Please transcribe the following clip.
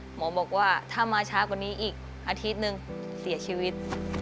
หมอบอกว่าถ้ามาช้ากว่านี้อีกอาทิตย์นึงเสียชีวิต